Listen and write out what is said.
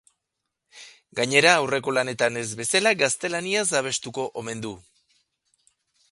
Gainera, aurreko lanetan ez bezala, gaztelaniaz abestuko omen du.